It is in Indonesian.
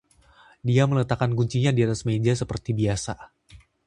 Dia meletakkan kuncinya di atas meja seperti biasa.